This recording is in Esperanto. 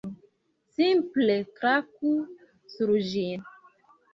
Simple klaku sur ĝin